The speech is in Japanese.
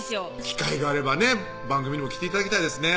機会があればね番組にも来て頂きたいですね